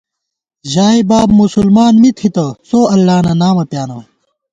ژائے باب مسلمان می تھِتہ څو اللہ نہ نامہ پیانہ